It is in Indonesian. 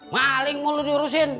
maling mulu diurusin